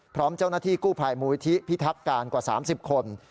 พร้อมเจ้าหน้าที่กู้ภัยมูลิธิพิทักการกว่า๓๐คน